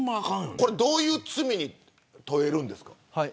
どういう罪に問えるんですか。